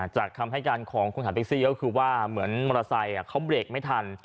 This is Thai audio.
คำให้การของคนขับแท็กซี่ก็คือว่าเหมือนมอเตอร์ไซค์เขาเบรกไม่ทัน